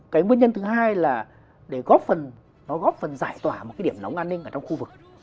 cái nguyên nhân thứ hai là để góp phần giải tỏa một điểm nóng an ninh trong khu vực